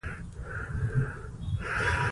چنګلونه د افغانستان د سیلګرۍ برخه ده.